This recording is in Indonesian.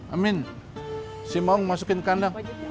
amin si maung masukin ke kandang